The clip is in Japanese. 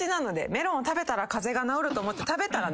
メロンを食べたら風邪が治ると思って食べたら治ります。